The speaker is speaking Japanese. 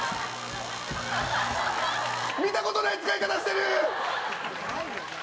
見たことない、使い方してる！